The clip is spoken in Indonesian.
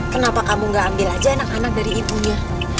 kenapa kamu gak ambil aja anak anak dari ibunya